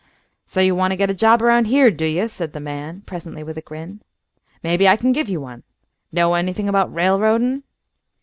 "So you want to get a job around here, do you?" said the man, presently, with a grin. "Maybe I can give you one. Know anything about railroadin'?"